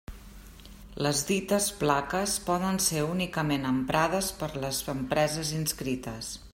Les dites plaques poden ser únicament emprades per les empreses inscrites.